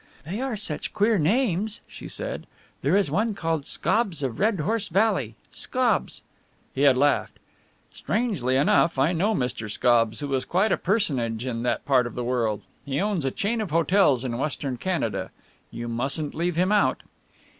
"They are such queer names," she said; "there is one called Scobbs of Red Horse Valley Scobbs!" He had laughed. "Strangely enough, I know Mr. Scobbs, who is quite a personage in that part of the world. He owns a chain of hotels in Western Canada. You mustn't leave him out."